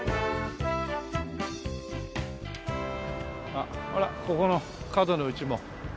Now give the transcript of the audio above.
あっほらここの角の家も。